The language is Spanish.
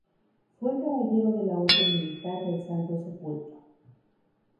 Fue caballero de la Orden Militar del Santo Sepulcro.